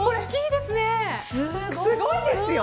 すごいですよ。